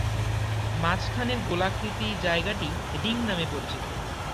মাঝখানের গোলাকৃতি জায়গাটি "রিং" নামে পরিচিত।